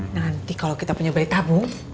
nanti kalau kita punya bayi tabung